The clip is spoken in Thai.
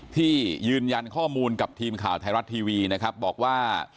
ที่ยืนยันข้อมูลกับทีมข่าวไทยรัฐทีวีนะครับบอกว่า